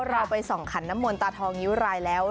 เราไปส่องขันน้ำมนตาทองนิ้วรายแล้ว